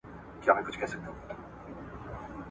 ژړا هېره خنداګاني سوی ښادي سوه ,